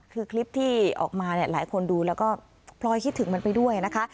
คือคลิปที่ออกมาเนี่ยหลายคนดูแล้วก็พลอยคิดถึงมันไปด้วยนะคะ